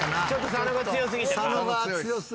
佐野が強すぎたわ。